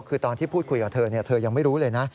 คือตอนที่พูดคุยกับเธอเธอยังไม่รู้เลยนะ